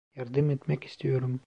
Yardım etmek istiyorum.